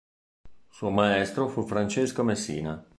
Suo maestro fu Francesco Messina.